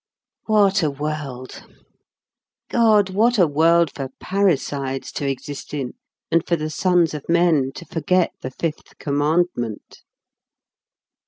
What a world God, what a world for parricides to exist in, and for the sons of men to forget the Fifth Commandment!